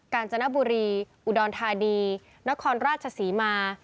กาญจนบุรีอุดรธานีนครราชศรีมา